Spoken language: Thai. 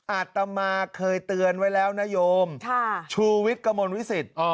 อาตมาเคยเตือนไว้แล้วนโยมชูวิทย์กระมวลวิสิต